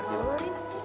belum tau gin